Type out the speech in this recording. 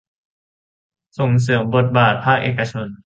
ส่งเสริมบทบาทภาคเอกชน